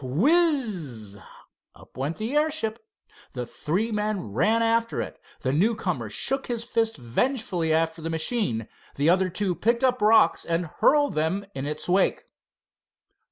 Whiz! up went the airship. The three men ran after it. The newcomer shook his fist vengefully after the machine. The other two picked up rocks and hurled them in its wake.